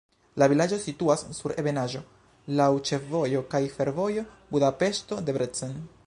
La vilaĝo situas sur ebenaĵo, laŭ ĉefvojo kaj fervojo Budapeŝto-Debrecen.